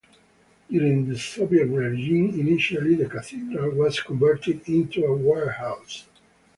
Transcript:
During the Soviet regime initially the cathedral was converted into a warehouse.